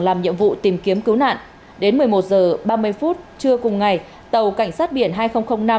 làm nhiệm vụ tìm kiếm cứu nạn đến một mươi một h ba mươi phút trưa cùng ngày tàu cảnh sát biển hai nghìn năm